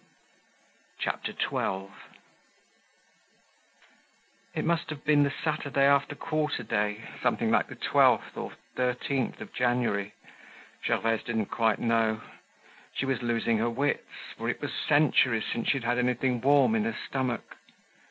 CHAPTER XII It must have been the Saturday after quarter day, something like the 12th or 13th of January—Gervaise didn't quite know. She was losing her wits, for it was centuries since she had had anything warm in her stomach.